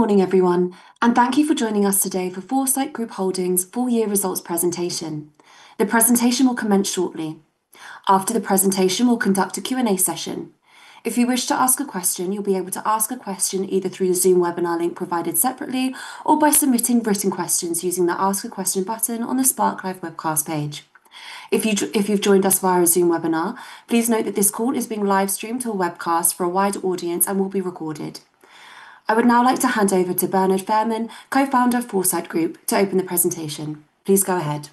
Good morning, everyone, and thank you for joining us today for Foresight Group Holdings' full year results presentation. The presentation will commence shortly. After the presentation, we'll conduct a Q&A session. If you wish to ask a question, you'll be able to ask a question either through the Zoom webinar link provided separately or by submitting written questions using the Ask a Question button on the SparkLive Webcast page. If you've joined us via our Zoom webinar, please note that this call is being live-streamed to a webcast for a wider audience and will be recorded. I would now like to hand over to Bernard Fairman, Co-Founder of Foresight Group, to open the presentation. Please go ahead.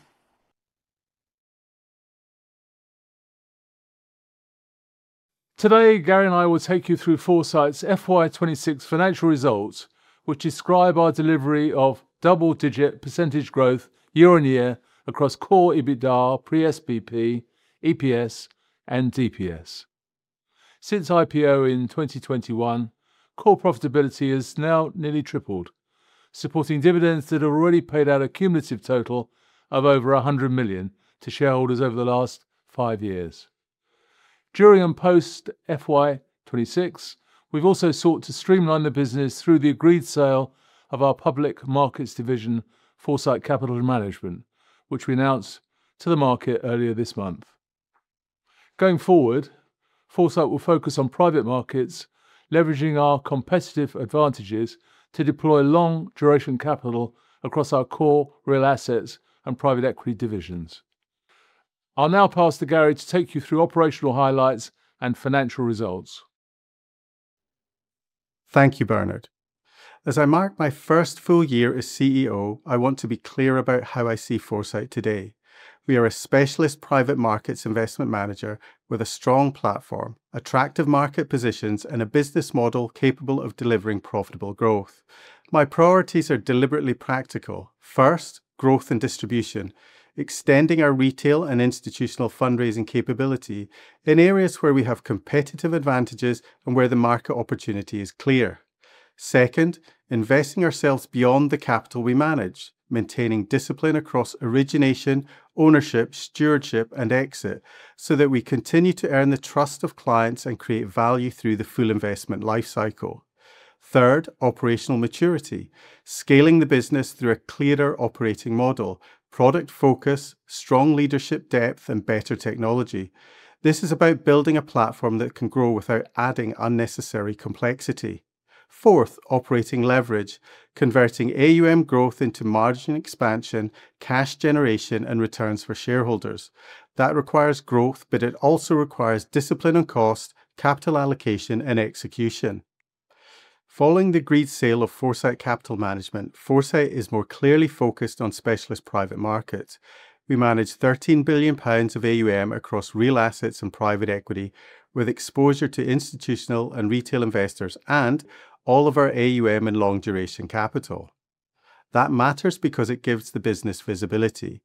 Today, Gary and I will take you through Foresight's FY 2026 financial results, which describe our delivery of double-digit percentage growth year-over-year across core EBITDA, pre-SBP, EPS, and DPS. Since IPO in 2021, core profitability has now nearly tripled, supporting dividends that have already paid out a cumulative total of over 100 million to shareholders over the last five years. During and post-FY 2026, we've also sought to streamline the business through the agreed sale of our public markets division, Foresight Capital Management, which we announced to the market earlier this month. Going forward, Foresight will focus on private markets, leveraging our competitive advantages to deploy long-duration capital across our core real assets and private equity divisions. I'll now pass to Gary to take you through operational highlights and financial results. Thank you, Bernard. As I mark my first full year as CEO, I want to be clear about how I see Foresight today. We are a specialist private markets investment manager with a strong platform, attractive market positions, and a business model capable of delivering profitable growth. My priorities are deliberately practical. First, growth and distribution, extending our retail and institutional fundraising capability in areas where we have competitive advantages and where the market opportunity is clear. Second, investing ourselves beyond the capital we manage, maintaining discipline across origination, ownership, stewardship, and exit so that we continue to earn the trust of clients and create value through the full investment life cycle. Third, operational maturity, scaling the business through a clearer operating model, product focus, strong leadership depth, and better technology. This is about building a platform that can grow without adding unnecessary complexity. Fourth, operating leverage, converting AUM growth into margin expansion, cash generation, and returns for shareholders. That requires growth, but it also requires discipline on cost, capital allocation, and execution. Following the agreed sale of Foresight Capital Management, Foresight is more clearly focused on specialist private markets. We manage 13 billion pounds of AUM across real assets and private equity, with exposure to institutional and retail investors and all of our AUM in long-duration capital. That matters because it gives the business visibility.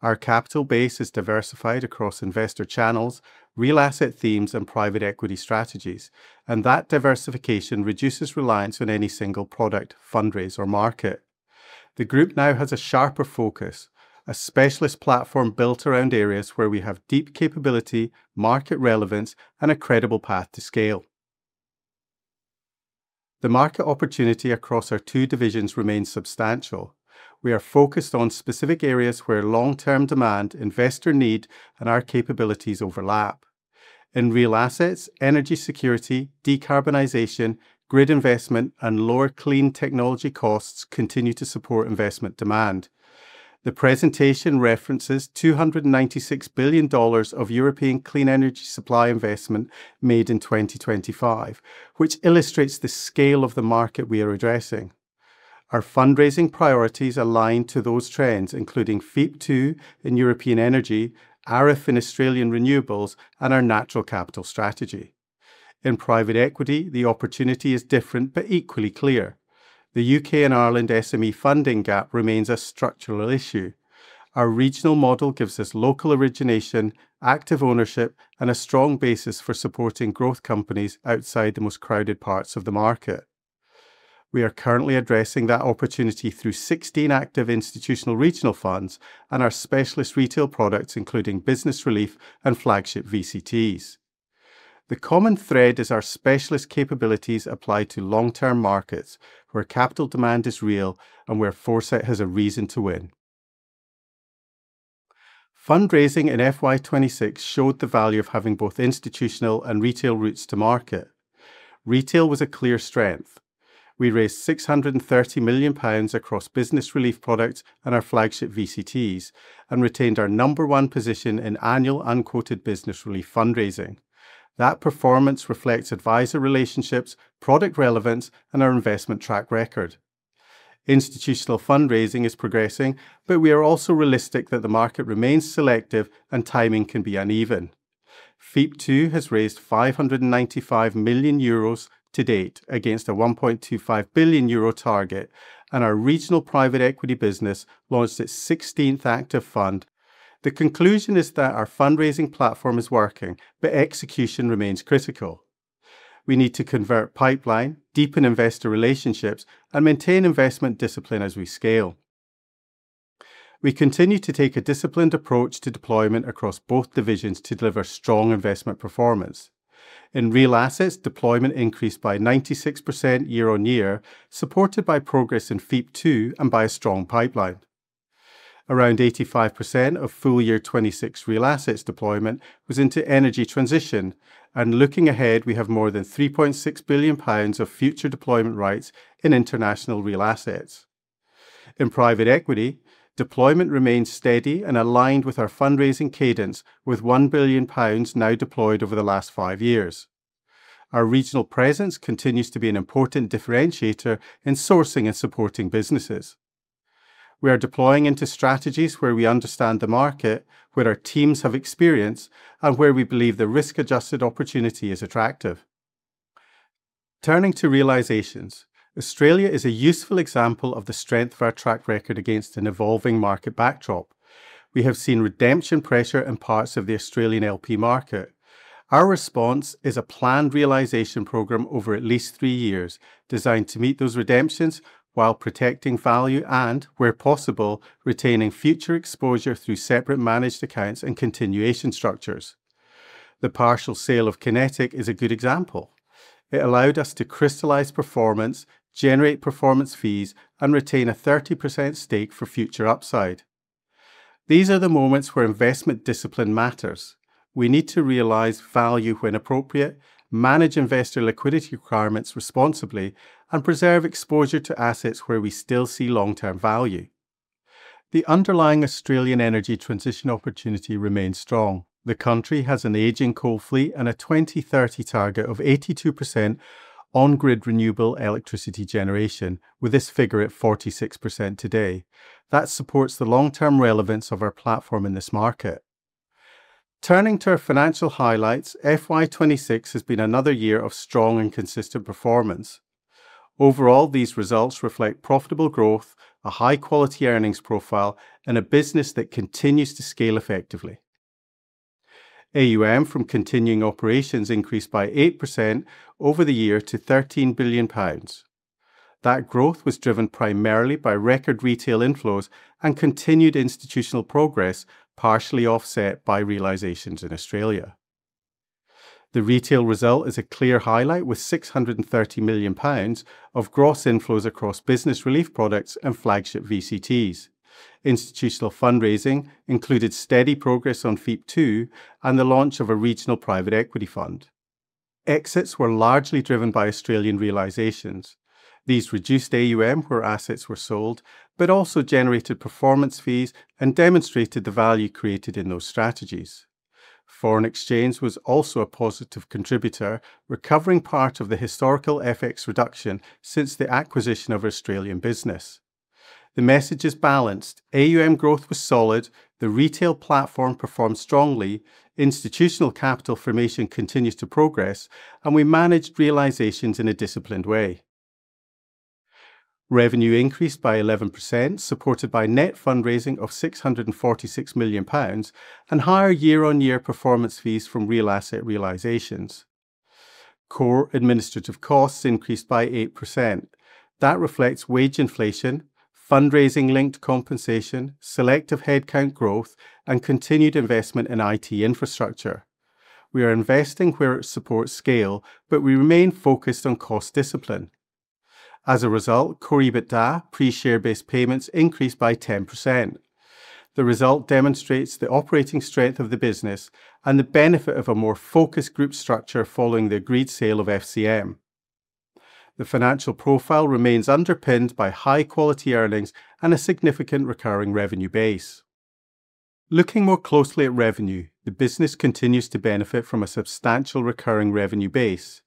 Our capital base is diversified across investor channels, real asset themes, and private equity strategies, and that diversification reduces reliance on any single product, fundraise, or market. The group now has a sharper focus, a specialist platform built around areas where we have deep capability, market relevance, and a credible path to scale. The market opportunity across our two divisions remains substantial. We are focused on specific areas where long-term demand, investor need, and our capabilities overlap. In real assets, energy security, decarbonization, grid investment, and lower clean technology costs continue to support investment demand. The presentation references $296 billion of European clean energy supply investment made in 2025, which illustrates the scale of the market we are addressing. Our fundraising priorities align to those trends, including FEIP II in European energy, ARIF in Australian renewables, and our Natural Capital strategy. In private equity, the opportunity is different but equally clear. The U.K. and Ireland SME funding gap remains a structural issue. Our regional model gives us local origination, active ownership, and a strong basis for supporting growth companies outside the most crowded parts of the market. We are currently addressing that opportunity through 16 active institutional regional funds and our specialist retail products, including business relief and flagship VCTs. The common thread is our specialist capabilities apply to long-term markets where capital demand is real and where Foresight has a reason to win. Fundraising in FY 2026 showed the value of having both institutional and retail routes to market. Retail was a clear strength. We raised 630 million pounds across business relief products and our flagship VCTs and retained our number one position in annual unquoted business relief fundraising. That performance reflects advisor relationships, product relevance, and our investment track record. Institutional fundraising is progressing, but we are also realistic that the market remains selective and timing can be uneven. FEIP II has raised 595 million euros to date against a 1.25 billion euro target, and our regional private equity business launched its 16th active fund. The conclusion is that our fundraising platform is working, but execution remains critical. We need to convert pipeline, deepen investor relationships, and maintain investment discipline as we scale. We continue to take a disciplined approach to deployment across both divisions to deliver strong investment performance. In real assets, deployment increased by 96% year-over-year, supported by progress in FEIP II and by a strong pipeline. Around 85% of full year 2026 real assets deployment was into energy transition, and looking ahead, we have more than 3.6 billion pounds of future deployment rights in international real assets. In private equity, deployment remains steady and aligned with our fundraising cadence, with 1 billion pounds now deployed over the last five years. Our regional presence continues to be an important differentiator in sourcing and supporting businesses. We are deploying into strategies where we understand the market, where our teams have experience, and where we believe the risk-adjusted opportunity is attractive. Turning to realizations, Australia is a useful example of the strength of our track record against an evolving market backdrop. We have seen redemption pressure in parts of the Australian LP market. Our response is a planned realization program over at least three years, designed to meet those redemptions while protecting value and, where possible, retaining future exposure through separate managed accounts and continuation structures. The partial sale of Kinetic is a good example. It allowed us to crystallize performance, generate performance fees, and retain a 30% stake for future upside. These are the moments where investment discipline matters. We need to realize value when appropriate, manage investor liquidity requirements responsibly, and preserve exposure to assets where we still see long-term value. The underlying Australian energy transition opportunity remains strong. The country has an aging coal fleet and a 2030 target of 82% on-grid renewable electricity generation, with this figure at 46% today. That supports the long-term relevance of our platform in this market. Turning to our financial highlights, FY 2026 has been another year of strong and consistent performance. Overall, these results reflect profitable growth, a high-quality earnings profile, and a business that continues to scale effectively. AUM from continuing operations increased by 8% over the year to 13 billion pounds. That growth was driven primarily by record retail inflows and continued institutional progress, partially offset by realizations in Australia. The retail result is a clear highlight, with 630 million pounds of gross inflows across business relief products and flagship VCTs. Institutional fundraising included steady progress on FEIP II and the launch of a regional private equity fund. Exits were largely driven by Australian realizations. These reduced AUM where assets were sold, but also generated performance fees and demonstrated the value created in those strategies. Foreign exchange was also a positive contributor, recovering part of the historical FX reduction since the acquisition of our Australian business. The message is balanced. AUM growth was solid, the retail platform performed strongly, institutional capital formation continues to progress, and we managed realizations in a disciplined way. Revenue increased by 11%, supported by net fundraising of 646 million pounds and higher year-on-year performance fees from real asset realizations. Core administrative costs increased by 8%. That reflects wage inflation, fundraising-linked compensation, selective headcount growth, and continued investment in IT infrastructure. We are investing where it supports scale, but we remain focused on cost discipline. As a result, core EBITDA pre-share-based payments increased by 10%. The result demonstrates the operating strength of the business and the benefit of a more focused group structure following the agreed sale of FCM. The financial profile remains underpinned by high-quality earnings and a significant recurring revenue base. Looking more closely at revenue, the business continues to benefit from a substantial recurring revenue base.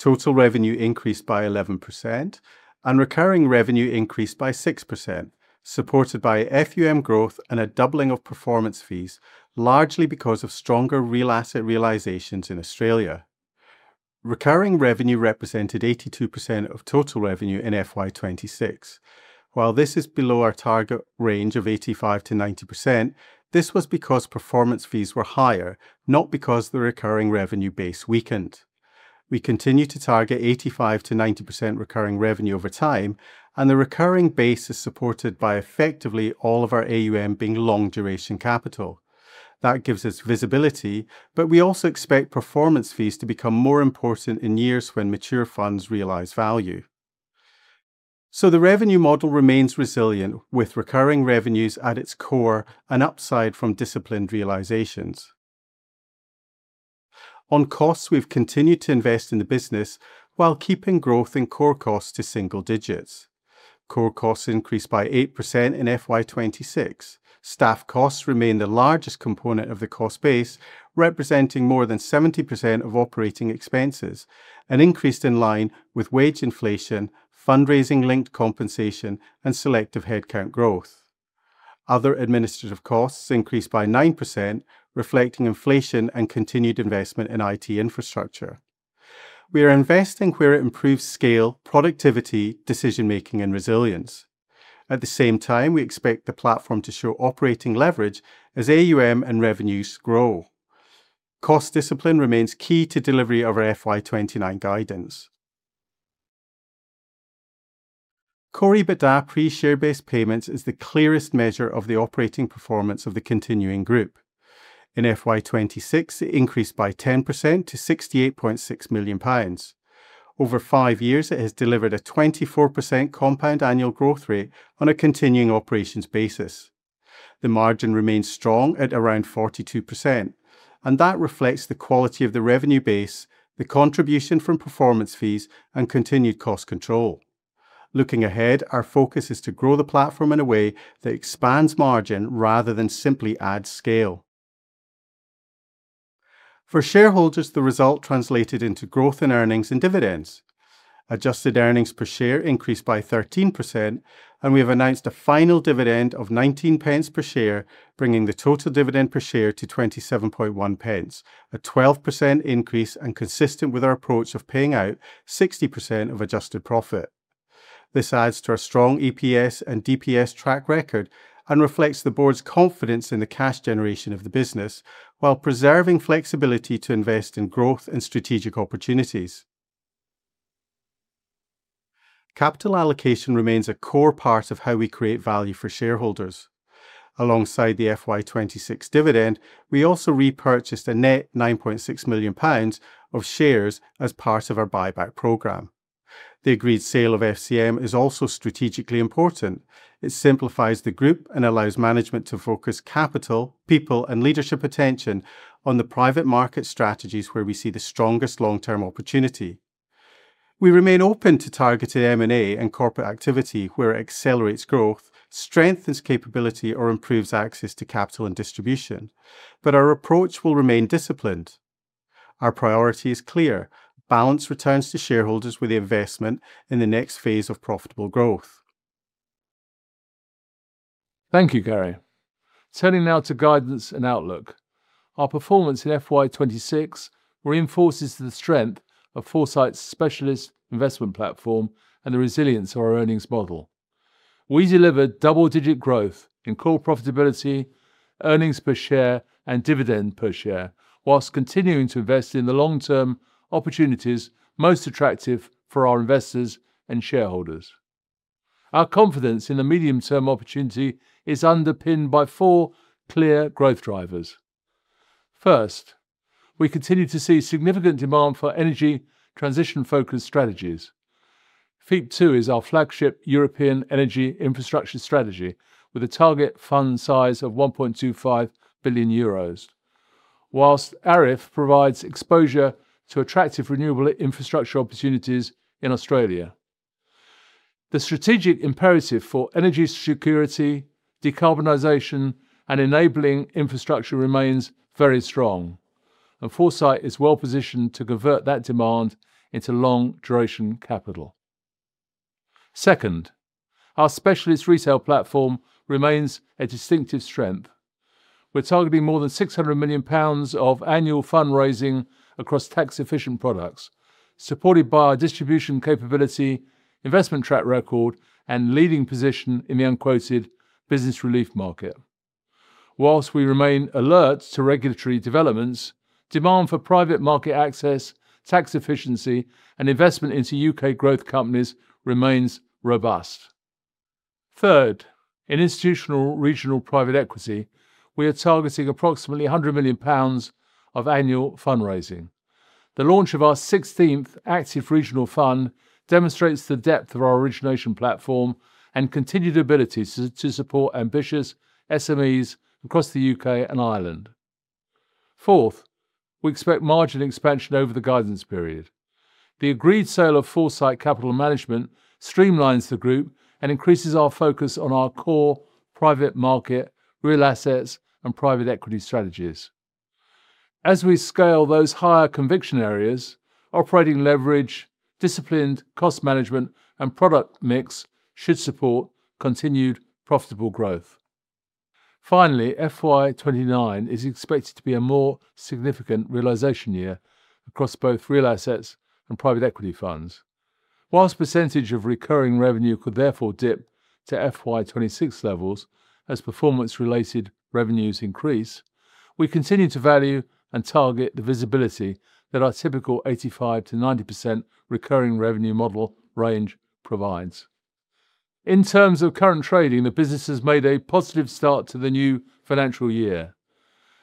Total revenue increased by 11%, and recurring revenue increased by 6%, supported by FUM growth and a doubling of performance fees, largely because of stronger real asset realizations in Australia. Recurring revenue represented 82% of total revenue in FY 2026. While this is below our target range of 85%-90%, this was because performance fees were higher, not because the recurring revenue base weakened. We continue to target 85%-90% recurring revenue over time, and the recurring base is supported by effectively all of our AUM being long-duration capital. That gives us visibility, but we also expect performance fees to become more important in years when mature funds realize value. The revenue model remains resilient, with recurring revenues at its core and upside from disciplined realizations. On costs, we've continued to invest in the business while keeping growth in core costs to single digits. Core costs increased by 8% in FY 2026. Staff costs remain the largest component of the cost base, representing more than 70% of operating expenses, and increased in line with wage inflation, fundraising-linked compensation, and selective headcount growth. Other administrative costs increased by 9%, reflecting inflation and continued investment in IT infrastructure. We are investing where it improves scale, productivity, decision-making, and resilience. At the same time, we expect the platform to show operating leverage as AUM and revenues grow. Cost discipline remains key to delivery of our FY 2029 guidance. Core EBITDA pre share-based payments is the clearest measure of the operating performance of the continuing group. In FY 2026, it increased by 10% to 68.6 million pounds. Over five years, it has delivered a 24% compound annual growth rate on a continuing operations basis. The margin remains strong at around 42%. That reflects the quality of the revenue base, the contribution from performance fees, and continued cost control. Looking ahead, our focus is to grow the platform in a way that expands margin rather than simply add scale. For shareholders, the result translated into growth in earnings and dividends. Adjusted earnings per share increased by 13%, and we have announced a final dividend of 0.19 per share, bringing the total dividend per share to 0.271, a 12% increase and consistent with our approach of paying out 60% of adjusted profit. This adds to our strong EPS and DPS track record and reflects the board's confidence in the cash generation of the business, while preserving flexibility to invest in growth and strategic opportunities. Capital allocation remains a core part of how we create value for shareholders. Alongside the FY 2026 dividend, we also repurchased a net 9.6 million pounds of shares as part of our buyback program. The agreed sale of FCM is also strategically important. It simplifies the group and allows management to focus capital, people, and leadership attention on the private market strategies where we see the strongest long-term opportunity. We remain open to targeted M&A and corporate activity where it accelerates growth, strengthens capability, or improves access to capital and distribution. Our approach will remain disciplined. Our priority is clear. Balance returns to shareholders with the investment in the next phase of profitable growth. Thank you, Gary. Turning now to guidance and outlook. Our performance in FY 2026 reinforces the strength of Foresight's specialist investment platform and the resilience of our earnings model. We delivered double-digit growth in core profitability, earnings per share, and dividend per share, whilst continuing to invest in the long-term opportunities most attractive for our investors and shareholders. Our confidence in the medium-term opportunity is underpinned by four clear growth drivers. First, we continue to see significant demand for energy transition-focused strategies. FEIP II is our flagship European energy infrastructure strategy with a target fund size of 1.25 billion euros, whilst ARIF provides exposure to attractive renewable infrastructure opportunities in Australia. The strategic imperative for energy security, decarbonization, and enabling infrastructure remains very strong. Foresight is well positioned to convert that demand into long-duration capital. Second, our specialist retail platform remains a distinctive strength. We're targeting more than 600 million pounds of annual fundraising across tax-efficient products, supported by our distribution capability, investment track record, and leading position in the unquoted business relief market. Whilst we remain alert to regulatory developments, demand for private market access, tax efficiency, and investment into U.K. growth companies remains robust. Third, in institutional regional private equity, we are targeting approximately 100 million pounds of annual fundraising. The launch of our 16th active regional fund demonstrates the depth of our origination platform and continued ability to support ambitious SMEs across the U.K. and Ireland. Fourth, we expect margin expansion over the guidance period. The agreed sale of Foresight Capital Management streamlines the group and increases our focus on our core private market, real assets, and private equity strategies. As we scale those higher conviction areas, operating leverage, disciplined cost management, and product mix should support continued profitable growth. Finally, FY 2029 is expected to be a more significant realization year across both real assets and private equity funds. Whilst percentage of recurring revenue could therefore dip to FY 2026 levels as performance-related revenues increase, we continue to value and target the visibility that our typical 85%-90% recurring revenue model range provides. In terms of current trading, the business has made a positive start to the new financial year.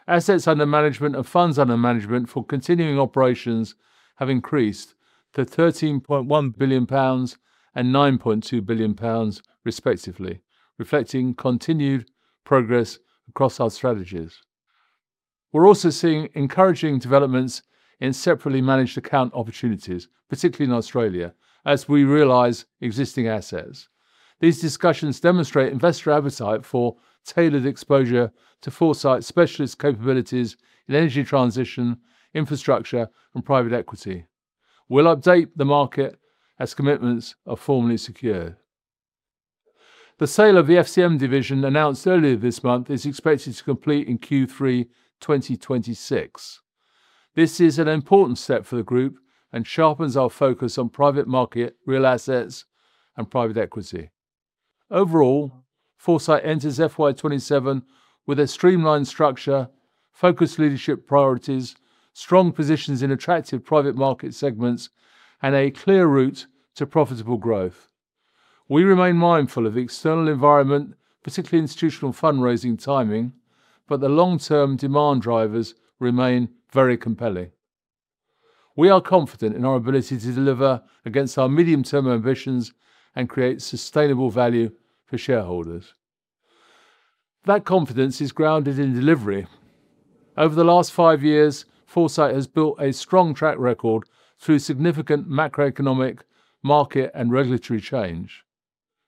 Assets under management of funds under management for continuing operations have increased to GBP 13.1 billion and GBP 9.2 billion respectively, reflecting continued progress across our strategies. We're also seeing encouraging developments in separately managed account opportunities, particularly in Australia, as we realize existing assets. These discussions demonstrate investor appetite for tailored exposure to Foresight specialist capabilities in energy transition, infrastructure, and private equity. We'll update the market as commitments are formally secured. The sale of the FCM division announced earlier this month is expected to complete in Q3 2026. This is an important step for the group and sharpens our focus on private market, real assets, and private equity. Overall, Foresight enters FY 2027 with a streamlined structure, focused leadership priorities, strong positions in attractive private market segments, and a clear route to profitable growth. We remain mindful of the external environment, particularly institutional fundraising timing, but the long-term demand drivers remain very compelling. We are confident in our ability to deliver against our medium-term ambitions and create sustainable value for shareholders. That confidence is grounded in delivery. Over the last five years, Foresight has built a strong track record through significant macroeconomic, market, and regulatory change.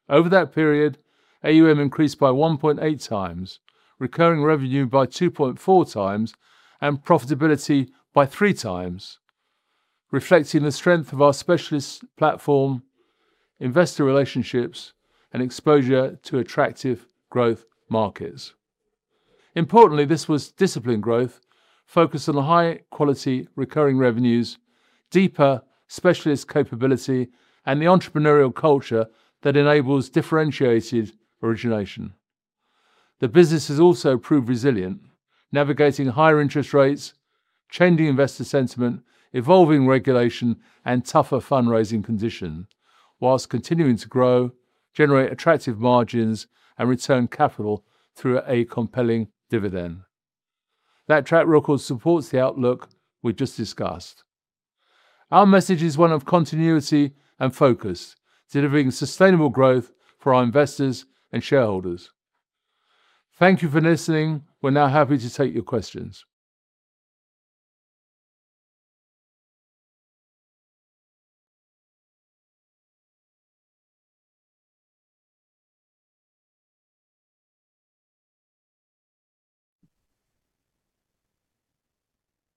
Over that period, AUM increased by 1.8x, recurring revenue by 2.4x, and profitability by 3x, reflecting the strength of our specialist platform, investor relationships, and exposure to attractive growth markets. Importantly, this was disciplined growth focused on high-quality recurring revenues, deeper specialist capability, and the entrepreneurial culture that enables differentiated origination. The business has also proved resilient, navigating higher interest rates, changing investor sentiment, evolving regulation, and tougher fundraising conditions whilst continuing to grow, generate attractive margins, and return capital through a compelling dividend. That track record supports the outlook we just discussed. Our message is one of continuity and focus, delivering sustainable growth for our investors and shareholders. Thank you for listening. We're now happy to take your questions.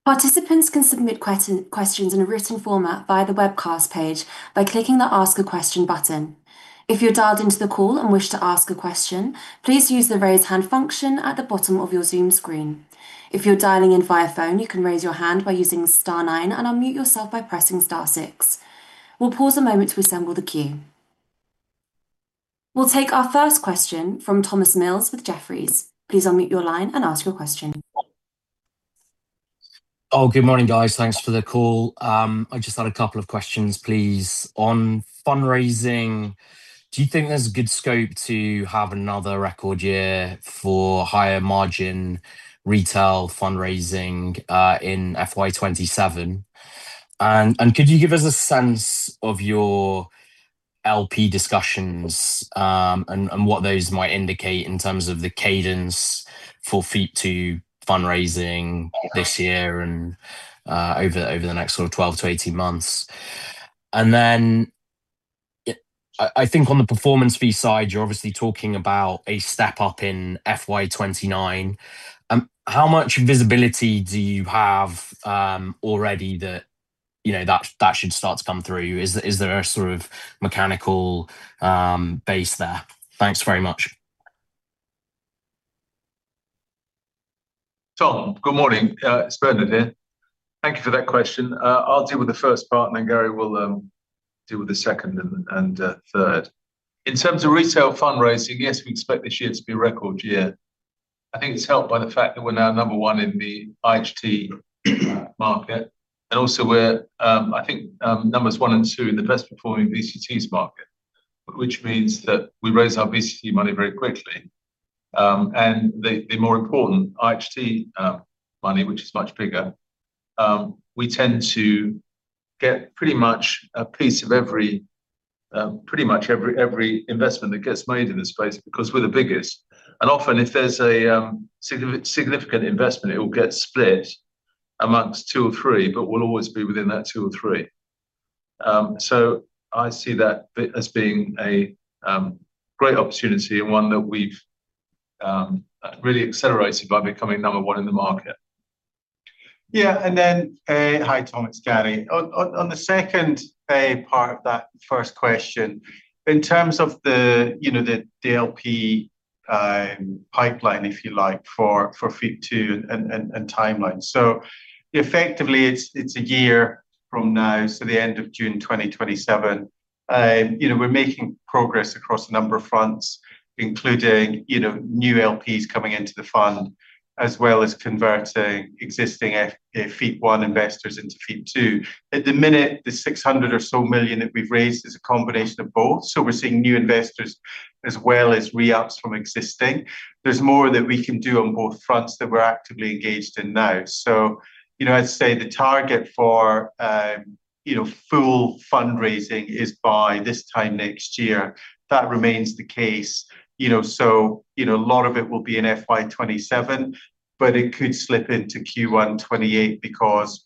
Participants can submit questions in a written format via the webcast page by clicking the Ask a Question button. If you're dialed into the call and wish to ask a question, please use the raise hand function at the bottom of your Zoom screen. If you're dialing in via phone, you can raise your hand by using star nine and unmute yourself by pressing star six. We'll pause a moment to assemble the queue. We'll take our first question from Thomas Mills with Jefferies. Please unmute your line and ask your question. Good morning, guys. Thanks for the call. I just had a couple of questions, please. On fundraising, do you think there's a good scope to have another record year for higher margin retail fundraising in FY 2027? Could you give us a sense of your LP discussions, and what those might indicate in terms of the cadence for FEIP II fundraising this year and over the next sort of 12 to 18 months? On the performance fee side, you're obviously talking about a step up in FY 2029. How much visibility do you have already that should start to come through? Is there a sort of mechanical base there? Thanks very much. Tom, good morning. It's Bernard here. Thank you for that question. I'll deal with the first part. Gary will deal with the second and third. In terms of retail fundraising, yes, we expect this year to be a record year. I think it's helped by the fact that we're now number one in the IHT market, also we're, I think, numbers one and two in the best performing VCTs market, which means that we raise our VCT money very quickly. The more important IHT money, which is much bigger, we tend to get pretty much a piece of every investment that gets made in this space because we're the biggest. Often, if there's a significant investment, it will get split amongst two or three, but we'll always be within that two or three. I see that bit as being a great opportunity and one that we've really accelerated by becoming number one in the market. Hi Tom, it's Gary. On the second part of that first question, in terms of the LP pipeline, if you like, for FEIP II and timelines. Effectively, it's a year from now, the end of June 2027. We're making progress across a number of fronts, including new LPs coming into the fund, as well as converting existing FEIP I investors into FEIP II. At the minute, the 600 million or so that we've raised is a combination of both. We're seeing new investors as well as re-ups from existing. There's more that we can do on both fronts that we're actively engaged in now. I'd say the target for full fundraising is by this time next year. That remains the case. A lot of it will be in FY 2027, but it could slip into Q1 2028 because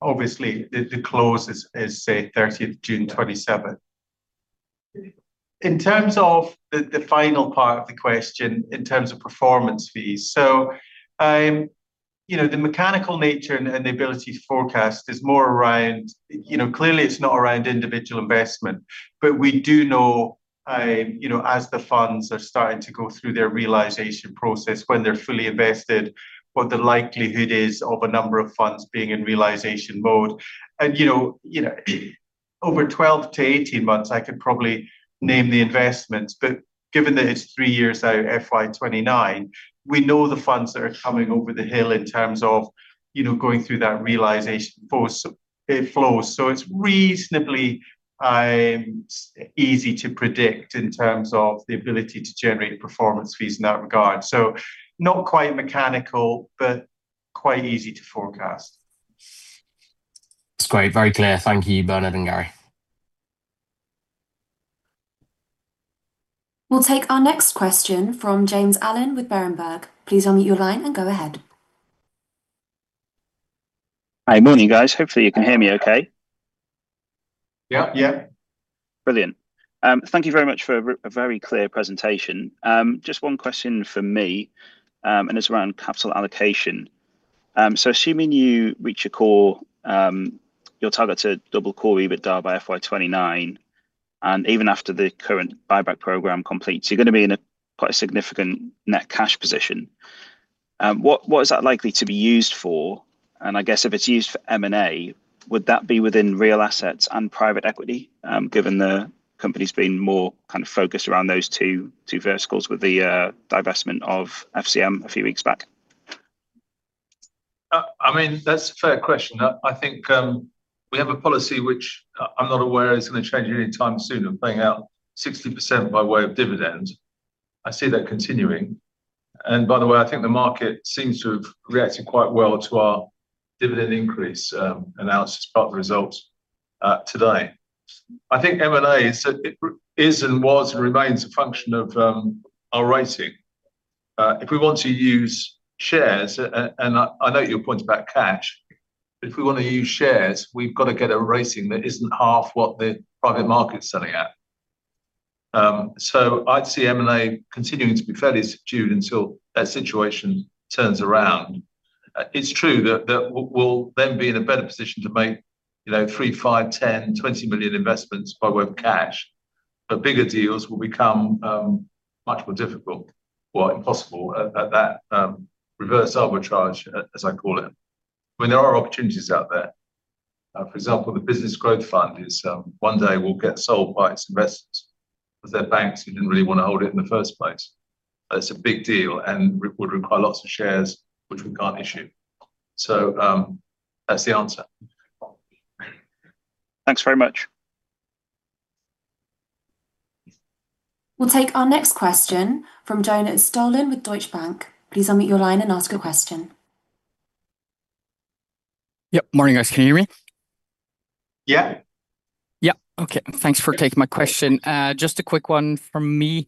obviously the close is say 30th June 2027. In terms of the final part of the question, in terms of performance fees. The mechanical nature and the ability to forecast is more around, clearly it's not around individual investment. We do know, as the funds are starting to go through their realization process, when they're fully invested, what the likelihood is of a number of funds being in realization mode. Over 12 to 18 months, I could probably name the investments, given that it's three years out, FY 2029, we know the funds are coming over the hill in terms of going through that realization flow. It's reasonably easy to predict in terms of the ability to generate performance fees in that regard. Not quite mechanical, but quite easy to forecast. That's great. Very clear. Thank you, Bernard and Gary. We'll take our next question from James Allen with Berenberg. Please unmute your line and go ahead. Hi. Morning, guys. Hopefully you can hear me okay. Yeah. Yeah. Brilliant. Thank you very much for a very clear presentation. Just one question from me. It's around capital allocation. Assuming you reach your target to double core EBITDA by FY 2029, even after the current buyback program completes, you're going to be in quite a significant net cash position. What is that likely to be used for? I guess if it's used for M&A, would that be within real assets and private equity, given the company's been more focused around those two verticals with the divestment of FCM a few weeks back? That's a fair question. I think we have a policy, which I'm not aware is going to change anytime soon, of paying out 60% by way of dividend. I see that continuing. By the way, I think the market seems to have reacted quite well to our dividend increase announced as part of the results today. I think M&A is, was, and remains a function of our rating. If we want to use shares, I note your point about cash, if we want to use shares, we've got to get a rating that isn't half what the private market's selling at. I'd see M&A continuing to be fairly subdued until that situation turns around. It's true that we'll then be in a better position to make 3 million, 5 million, 10 million, 20 million investments by way of cash. Bigger deals will become much more difficult or impossible at that reverse arbitrage, as I call it. There are opportunities out there. For example, the Business Growth Fund one day will get sold by its investors because they're banks who didn't really want to hold it in the first place. That's a big deal and would require lots of shares, which we can't issue. That's the answer. Thanks very much. We'll take our next question from Jonas Døhlen with Deutsche Bank. Please unmute your line and ask a question. Yep. Morning, guys. Can you hear me? Yeah. Yep. Okay. Thanks for taking my question. Just a quick one from me,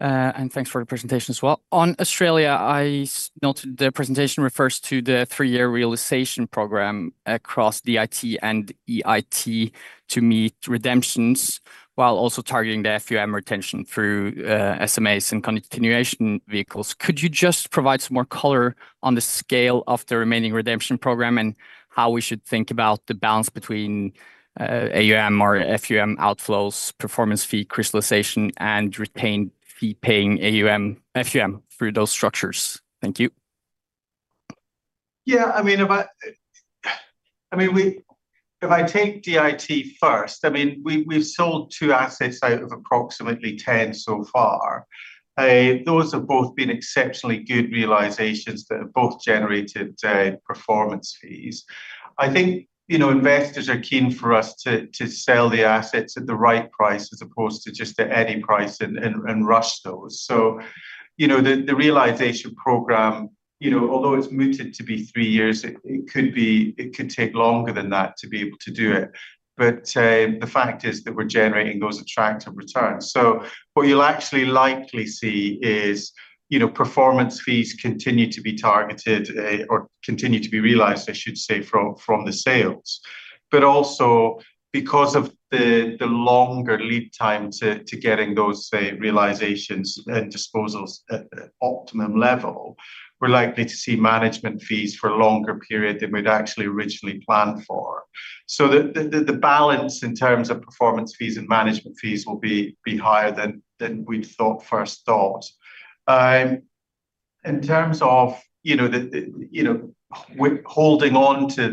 and thanks for the presentation as well. On Australia, I noted the presentation refers to the three-year realization program across DIT and EIT to meet redemptions while also targeting the FUM retention through SMAs and continuation vehicles. Could you just provide some more color on the scale of the remaining redemption program and how we should think about the balance between AUM or FUM outflows, performance fee crystallization, and retained fee-paying FUM through those structures? Thank you. Yeah. If I take DIT first, we've sold two assets out of approximately 10 so far. Those have both been exceptionally good realizations that have both generated performance fees. I think investors are keen for us to sell the assets at the right price as opposed to just at any price and rush those. The realization program, although it's mooted to be three years, it could take longer than that to be able to do it. The fact is that we're generating those attractive returns. What you'll actually likely see is performance fees continue to be targeted or continue to be realized, I should say, from the sales. Also because of the longer lead time to getting those, say, realizations and disposals at optimum level, we're likely to see management fees for a longer period than we'd actually originally planned for. The balance in terms of performance fees and management fees will be higher than we'd first thought. In terms of holding on to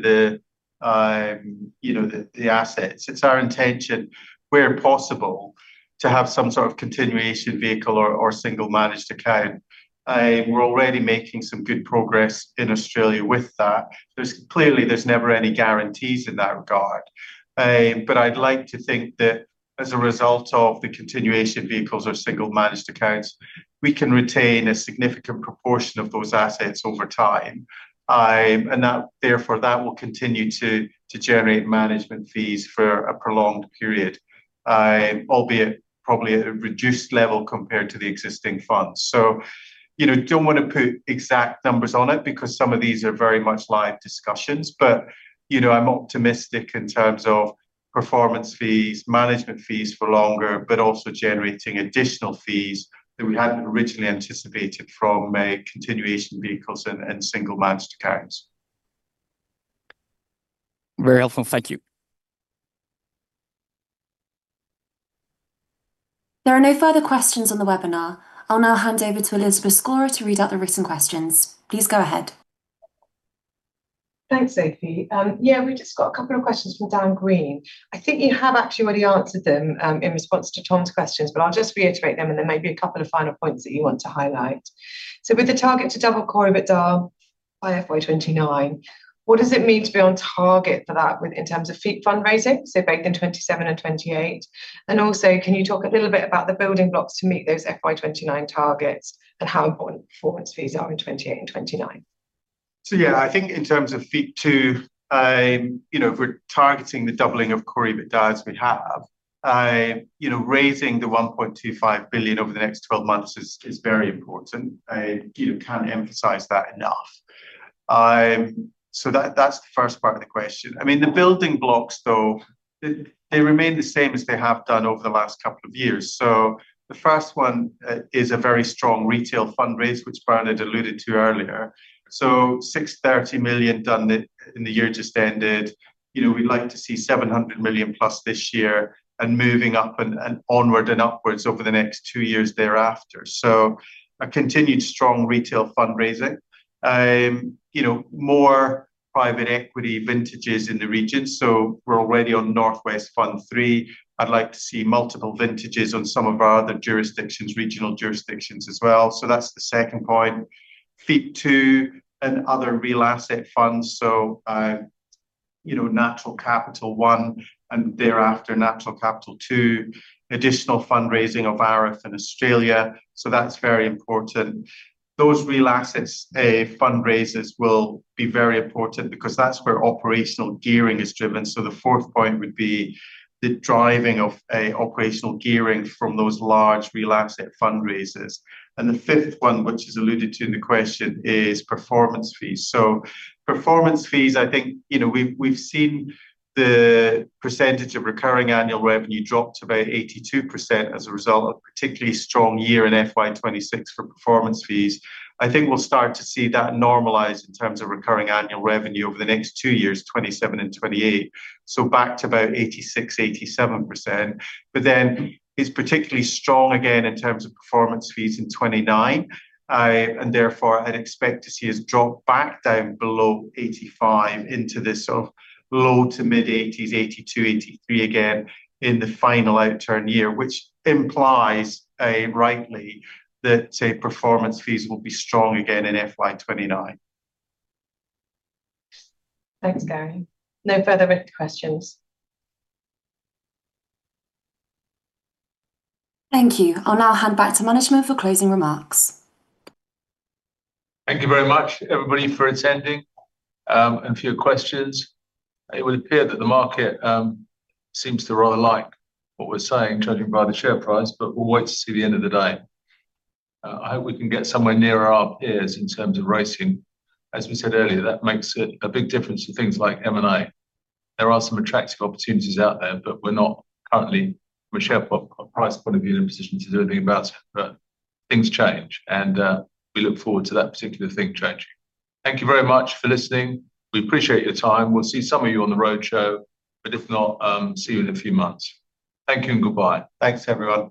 the assets, it's our intention, where possible, to have some sort of continuation vehicle or single managed account. We're already making some good progress in Australia with that. Clearly, there's never any guarantees in that regard. I'd like to think that as a result of the continuation vehicles or single managed accounts, we can retain a significant proportion of those assets over time. Therefore, that will continue to generate management fees for a prolonged period, albeit probably at a reduced level compared to the existing funds. Don't want to put exact numbers on it because some of these are very much live discussions. I'm optimistic in terms of performance fees, management fees for longer, but also generating additional fees that we hadn't originally anticipated from continuation vehicles and single managed accounts. Very helpful. Thank you. There are no further questions on the webinar. I will now hand over to Elizabeth Scorer to read out the written questions. Please go ahead. Thanks, Sophie. We just got a couple of questions from Dan Green. I think you have actually already answered them in response to Tom's questions, but I will just reiterate them, and there may be a couple of final points that you want to highlight. With the target to double core EBITDA by FY 2029, what does it mean to be on target for that in terms of fee fundraising, both in 2027 and 2028? Can you talk a little bit about the building blocks to meet those FY 2029 targets and how important performance fees are in 2028 and 2029? I think in terms of FEIP II, if we are targeting the doubling of core EBITDA, we have. Raising the 1.25 billion over the next 12 months is very important. I cannot emphasize that enough. That is the first part of the question. The building blocks, though, they remain the same as they have done over the last couple of years. The first one is a very strong retail fundraise, which Bernard alluded to earlier. 630 million done in the year just ended. We would like to see 700 million+ this year and moving up and onward and upwards over the next two years thereafter. A continued strong retail fundraising. More private equity vintages in the region, we are already on North West Fund III. I would like to see multiple vintages on some of our other jurisdictions, regional jurisdictions as well. That is the second point. FEIP II and other real asset funds, Natural Capital one, and thereafter Natural Capital two, additional fundraising of ARIF in Australia. That is very important. Those real assets fundraisers will be very important because that is where operational gearing is driven. The fourth point would be the driving of operational gearing from those large real asset fundraisers. The fifth one, which is alluded to in the question, is performance fees. Performance fees, I think, we have seen the percentage of recurring annual revenue drop to about 82% as a result of a particularly strong year in FY 2026 for performance fees. I think we will start to see that normalize in terms of recurring annual revenue over the next two years, 2027 and 2028. Back to about 86%, 87%. It is particularly strong again in terms of performance fees in 2029. Therefore, I'd expect to see us drop back down below 85% into this sort of low to mid-80%, 82%, 83% again in the final outturn year, which implies rightly that performance fees will be strong again in FY 2029. Thanks, Gary. No further written questions. Thank you. I'll now hand back to management for closing remarks. Thank you very much, everybody, for attending, and for your questions. It would appear that the market seems to rather like what we're saying, judging by the share price, we'll wait to see the end of the day. I hope we can get somewhere near our peers in terms of rating. As we said earlier, that makes a big difference to things like M&A. There are some attractive opportunities out there, we're not currently, from a share price point of view, in a position to do anything about it. Things change, and we look forward to that particular thing changing. Thank you very much for listening. We appreciate your time. We'll see some of you on the road show, but if not, see you in a few months. Thank you and goodbye. Thanks, everyone.